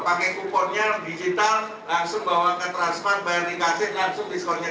pakai kuponnya digital langsung bawa ke transpac bayar di kaset langsung diskonnya itu